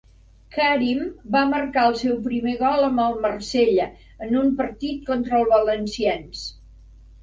Karim va marcar el seu primer gol amb el Marsella en un partit contra el Valenciennes.